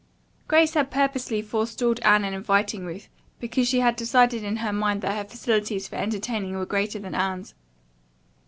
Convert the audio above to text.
Grace had purposely forestalled Anne in inviting Ruth, because she had decided in her mind that her facilities for entertaining were greater than Anne's.